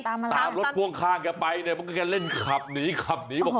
ตามรถพ่วงข้างแกไปเพราะแกเล่นขับหนีขับหนี